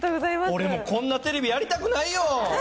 俺もこんなテレビやりたくないよ。